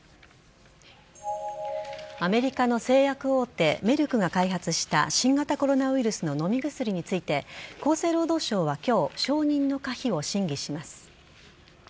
アメリカの製薬大手メルクが開発した新型コロナウイルスの飲み薬について厚生労働省は今日承認の可否を審議します。